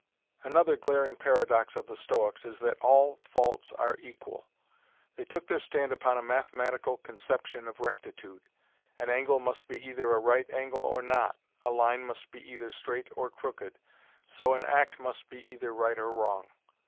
Another glaring paradox of the Stoics is that "All faults are equal". They took their stand upon a mathematical conception of rectitude. An angle must be either a right angle or not, a line must be either straight or crooked, so an act must be either right or wrong.